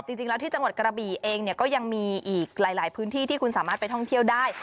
จริงแล้วที่จังหวัดกระบี่เองเนี่ยก็ยังมีอีกหลายพื้นที่ที่คุณสามารถไปท่องเที่ยวได้